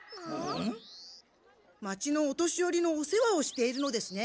町のお年よりのお世話をしているのですね。